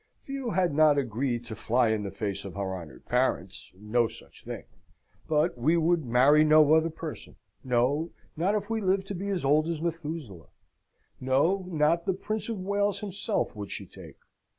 Theo had not agreed to fly in the face of her honoured parents no such thing. But we would marry no other person; no, not if we lived to be as old as Methuselah; no, not the Prince of Wales himself would she take.